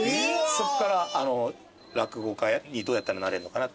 そっから落語家にどうやったらなれるのかなって。